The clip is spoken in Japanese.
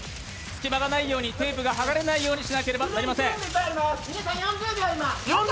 隙間がないように、テープが剥がれないようにしなければなりません。